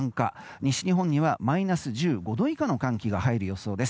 西日本にはマイナス１５度以下の寒気が入る予想です。